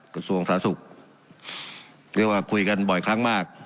กระทรวงสาธารณสุขเรียกว่าคุยกันบ่อยครั้งมาก